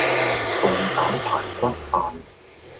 鳳爪排骨飯